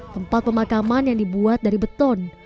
tempat pemakaman yang dibuat dari beton